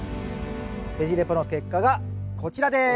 ベジ・レポの結果がこちらです。